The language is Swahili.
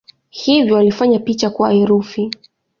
Hivyo walifanya picha kuwa herufi.